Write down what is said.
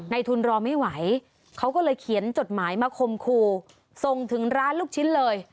ทุนรอไม่ไหวเขาก็เลยเขียนจดหมายมาคมครูส่งถึงร้านลูกชิ้นเลย